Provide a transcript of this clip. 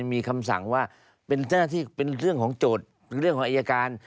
มีคำสั่งว่าเป็นหน้าที่เป็นเรื่องของโจทธรรมหรือเรื่องของอิยาการ